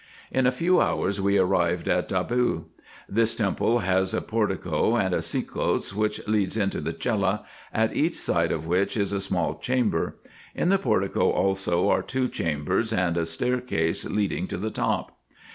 In a few hours we arrived at Debod. This temple has a portico and a sekos, which leads into the cella, at each side of which is a small chamber. In the portico also are two chambers, and a stair case leading to the top.